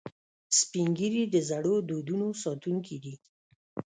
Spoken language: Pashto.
سپین ږیری د زړو دودونو ساتونکي دي